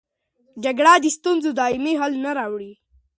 جګړه د ستونزو دایمي حل نه راوړي.